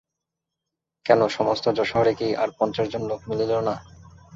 কেন, সমস্ত যশোহরে কি আর পঞ্চাশ জন লোক মিলিল না।